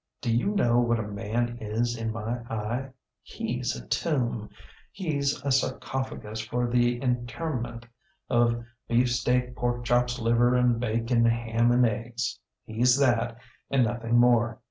Do you know what a man is in my eye? HeŌĆÖs a tomb. HeŌĆÖs a sarcophagus for the interment of BeafsteakporkchopsliverŌĆÖnbaconham andeggs. HeŌĆÖs that and nothing more.